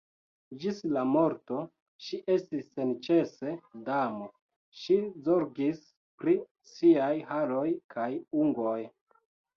Ĝis la morto ŝi estis senĉese damo, ŝi zorgis pri siaj haroj kaj ungoj.